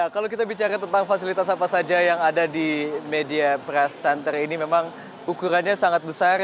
kalau kita bicara tentang fasilitas apa saja yang ada di media press center ini memang ukurannya sangat besar